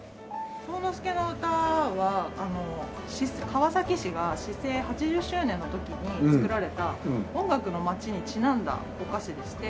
惣之助の詩は川崎市が市制８０周年の時に作られた音楽のまちにちなんだお菓子でして。